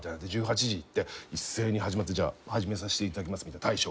で１８時に行って一斉に始まって始めさせていただきますみたいな。